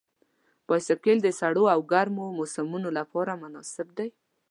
بایسکل د سړو او ګرمو موسمونو لپاره مناسب دی.